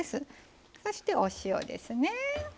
そしてお塩ですね。